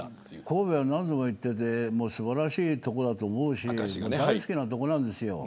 神戸は何度も行ってて素晴らしい所だと思うし大好きな所なんですよ。